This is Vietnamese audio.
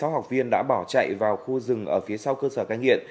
hai mươi sáu học viên đã bỏ chạy vào khu rừng ở phía sau cơ sở ca nghiện